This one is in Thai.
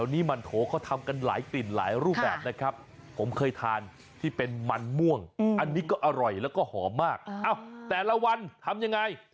นี่ก็อร่อยแล้วก็หอมมากแต่ละวันทำยังไง